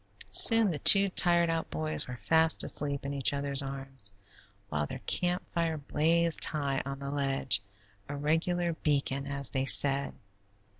Soon the two tired out boys were fast asleep in each other's arms, while their camp fire blazed high on the ledge, a regular beacon, as they said.